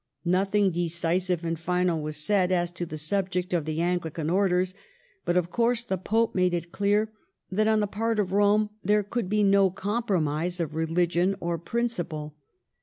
Nothing decisive and final was said as to the subject of the Angli can orders, but, of course, the Pope made it clear that on the part of Rome there could be no compromise of religion or principle.